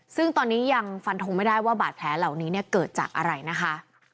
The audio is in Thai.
ซึ่งตอนนี้ยังฟันทงไม่ได้ว่าบาดแผลเหล่านี้เนี่ยเกิดจากอะไรนะคะ